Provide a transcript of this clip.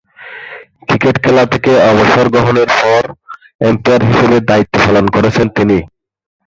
Cricket খেলা থেকে অবসর গ্রহণের পর আম্পায়ার হিসেবে দায়িত্ব পালন করেছেন তিনি।